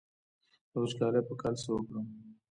د وچکالۍ په کال کې څه وکړم؟